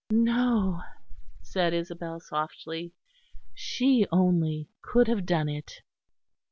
"No," said Isabel softly, "she only could have done it."